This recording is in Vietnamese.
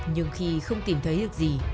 nhưng khi không tìm thấy được gì